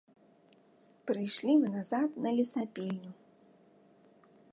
Прыйшлі мы назад на лесапільню.